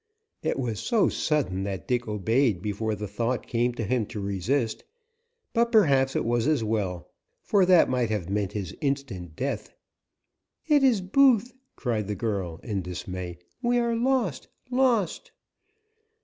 It was so sudden that Dick obeyed before the thought came to him to resist, but perhaps it was as well, for that might have meant his instant death. "It is Booth!" cried the girl in dismay. "We are lost lost!"